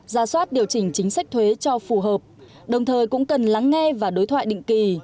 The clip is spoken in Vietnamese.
ra soát điều chỉnh chính sách thuế cho phù hợp đồng thời cũng cần lắng nghe và đối thoại định kỳ